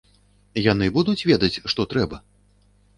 Яны будуць ведаць, што трэба?